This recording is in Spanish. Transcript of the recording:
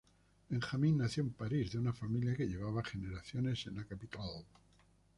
Benjamin nació en París, de una familia que llevaba generaciones en la capital.